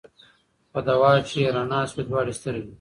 په دوا چي یې رڼا سوې دواړي سترګي